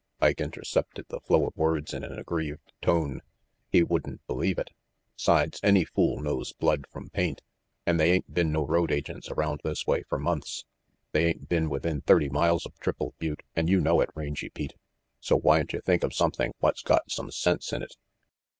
Ike intercepted the flow of words in an aggrieved tone. " He wouldn't believe it. 'Sides, any fool knows blood from paint. An' they ain't been no road agents around this way fer months. They ain't been within thirty miles of Triple Butte, and you know it, Rangy Pete, so RANGY PETE 7 whyn't you think of something what's got some sense in it?"